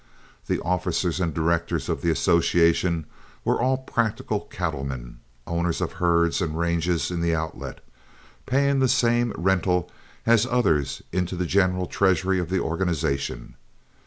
The officers and directors of the association were all practical cattlemen, owners of herds and ranges in the Outlet, paying the same rental as others into the general treasury of the organization.